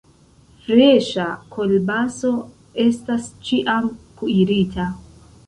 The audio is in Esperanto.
Freŝa kolbaso estas ĉiam kuirita.